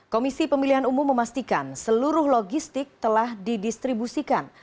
komisi pemilihan umum memastikan seluruh logistik telah didistribusikan